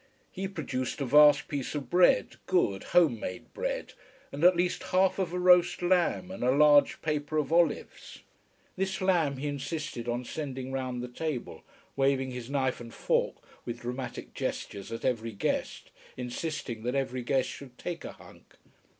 He produced a vast piece of bread, good, home made bread, and at least half of a roast lamb, and a large paper of olives. This lamb he insisted on sending round the table, waving his knife and fork with dramatic gestures at every guest, insisting that every guest should take a hunk.